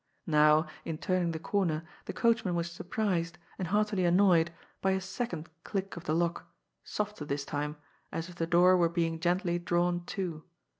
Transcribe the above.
Now, in turning the comer, the coachman was sur prised, and heartily annoyed, by a second click of the lock, softer this time, as if the door were being gently drawn to.